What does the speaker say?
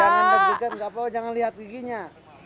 jangan deg degan nggak apa apa jangan lihat giginya